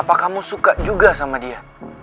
apa kamu suka juga sama dia